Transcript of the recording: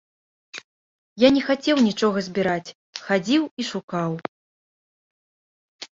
Я не хацеў нічога збіраць, хадзіў і шукаў.